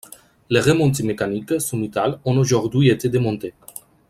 Les remontées mécaniques sommitales ont aujourd'hui été démontées.